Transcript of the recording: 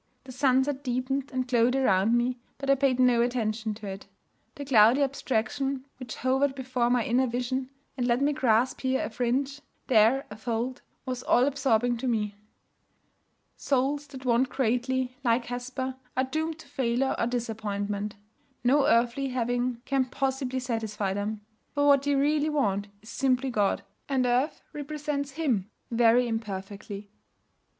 The sunset deepened and glowed around me, but I paid no attention to it. The cloudy abstraction which hovered before my inner vision, and let me grasp here a fringe, there a fold, was all absorbing to me. Souls that want greatly, like Hesper, are doomed to failure or disappointment. No earthly having can possibly satisfy them. For what they really want is simply God, and earth represents Him very imperfectly.